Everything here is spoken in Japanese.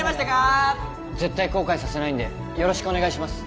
絶対後悔させないんでよろしくお願いします